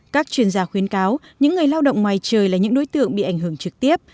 các chuyên gia khuyến cáo những người lao động ngoài trời là những đối tượng bị ảnh hưởng trực tiếp